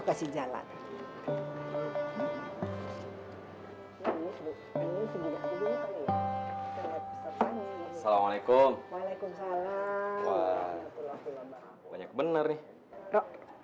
assalamualaikum waalaikumsalam banyak bener nih